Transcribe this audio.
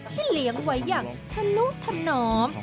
ให้เลี้ยงไว้อย่างทะลุทะหนอม